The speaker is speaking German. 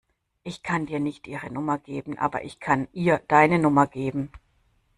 Ich kann dir nicht ihre Nummer geben, aber ich kann ihr deine Nummer geben.